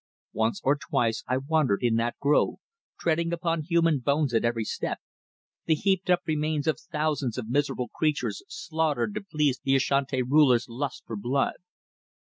Once or twice I wandered in that grove, treading upon human bones at every step the heaped up remains of thousands of miserable creatures slaughtered to please the Ashanti ruler's lust for blood.